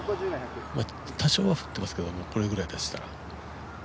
多少は降ってますけど、これくらいでしたら。